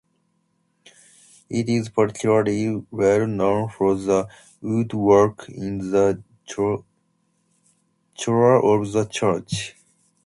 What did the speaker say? It is particularly well known for the woodwork in the choir of the church.